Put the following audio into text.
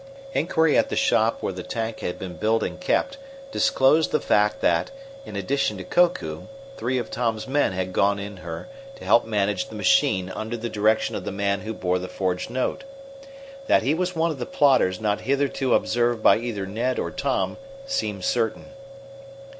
Inquiry at the shop where the tank had been built and kept disclosed the fact that, in addition to Koku, three of Tom's men had gone in her to help manage the machine under the direction of the man who bore the forged note. That he was one of the plotters not hitherto observed by either Ned or Tom seemed certain.